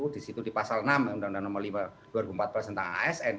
di situ di pasal enam undang undang nomor lima dua ribu empat belas tentang asn